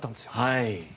はい。